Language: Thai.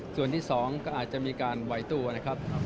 ส่วนที่๒ก็อาจจะมีการไหวตัวนะครับ